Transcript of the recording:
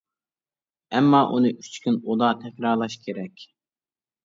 ئەمما ئۇنى ئۈچ كۈن ئۇدا تەكرارلاش كېرەك.